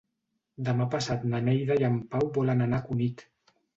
Demà passat na Neida i en Pau volen anar a Cunit.